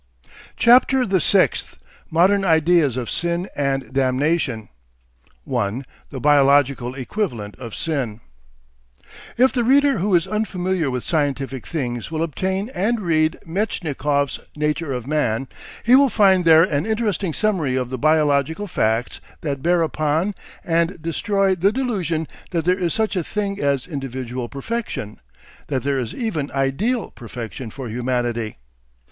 CHAPTER THE SIXTH MODERN IDEAS OF SIN AND DAMNATION 1. THE BIOLOGICAL EQUIVALENT OF SIN If the reader who is unfamiliar with scientific things will obtain and read Metchnikoff's "Nature of Man," he will find there an interesting summary of the biological facts that bear upon and destroy the delusion that there is such a thing as individual perfection, that there is even ideal perfection for humanity.